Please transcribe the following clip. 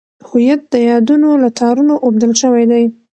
هویت د یادونو له تارونو اوبدل شوی دی.